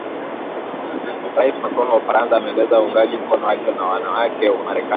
Rais Macron wa Ufaransa ameeleza uungaji mkono wake na wanawake wa Marekani